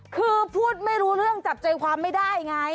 คือพูดไม่รู้เรื่องจับใจความไม่ได้ไง